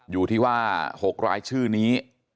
อยู่ที่ว่า๖รายชื่อนี้